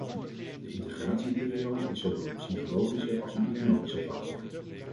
De integratieperiode is zowel een psychologische als een economische factor.